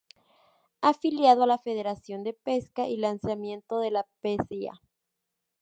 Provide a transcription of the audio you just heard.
Afiliado a la Federación de Pesca y Lanzamiento de la Pcia.